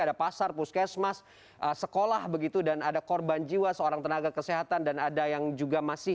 ada pasar puskesmas sekolah begitu dan ada korban jiwa seorang tenaga kesehatan dan ada yang juga masih